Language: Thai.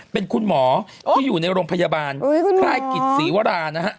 เป็นคุณหมอที่อยู่ในโรงพยาบาลค่ายกิจศรีวรานะฮะ